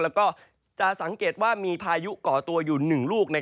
และจากสังเกดว่ามีพายุเกาะตัวอยู่หนึ่งลูก